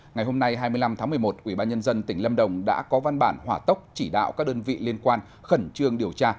ngày hôm nay hai mươi năm tháng một mươi một ubnd tỉnh lâm đồng đã có văn bản hỏa tốc chỉ đạo các đơn vị liên quan khẩn trương điều tra